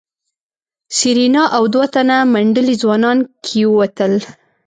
سېرېنا او دوه تنه منډلي ځوانان کېوتل.